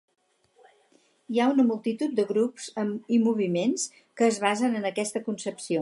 Hi ha una multitud de grups i moviments que es basen en aquesta concepció.